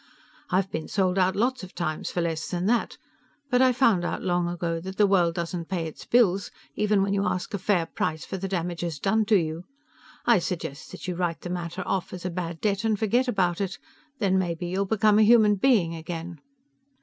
I've been sold out lots of times for less than that, but I found out long ago that the world doesn't pay its bills even when you ask a fair price for the damages done to you. I suggest that you write the matter off as a bad debt and forget about it; then maybe you'll become a human being again."